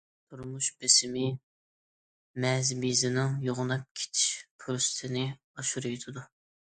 تۇرمۇش بېسىمى مەزى بېزىنىڭ يوغىناپ كېتىش پۇرسىتىنى ئاشۇرۇۋېتىدۇ.